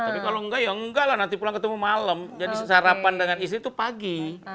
tapi kalau enggak ya enggak lah nanti pulang ketemu malam jadi sarapan dengan istri itu pagi